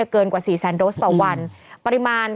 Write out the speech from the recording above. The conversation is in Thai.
เกินกว่า๔แสนโดสต่อวัน